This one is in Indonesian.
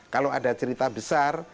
kalau ada cerita besar